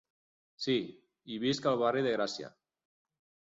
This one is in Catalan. Sí, i visc al barri de Gràcia.